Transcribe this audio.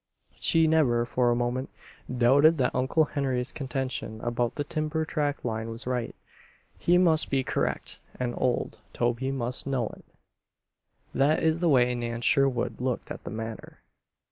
She never for a moment doubted that Uncle Henry's contention about the timber tract line was right. He must be correct, and old Toby must know it! That is the way Nan Sherwood looked at the matter.